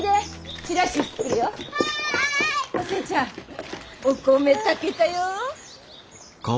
お寿恵ちゃんお米炊けたよ！